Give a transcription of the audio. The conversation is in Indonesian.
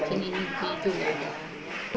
begitu juga ada